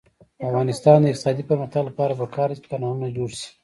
د افغانستان د اقتصادي پرمختګ لپاره پکار ده چې کانالونه جوړ شي.